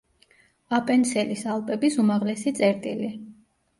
აპენცელის ალპების უმაღლესი წერტილი.